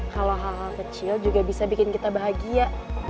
kalau hal hal kecil juga bisa bikin kita bahagia